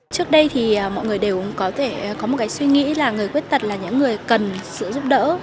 trước đây thì mọi người đều có thể có một cái suy nghĩ là người khuyết tật là những người cần sự giúp đỡ